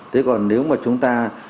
thế còn nếu mà chúng ta